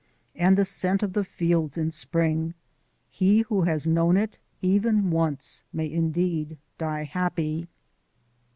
And the scent of the fields in spring! he who has known it, even once, may indeed die happy.